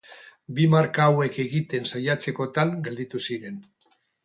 Bi marka hauek egiten saiatzekotan gelditu ziren.